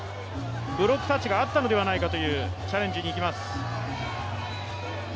ブロックタッチがあったのではないかというチャレンジにいきます。